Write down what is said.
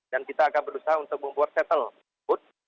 dan kita akan berusaha untuk membuat shuttle